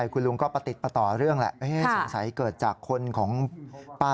คุณลุงก็ประติดประต่อเรื่องแหละสังสัยเกิดจากคนของป้าร้อยล้านนี้หรือเปล่า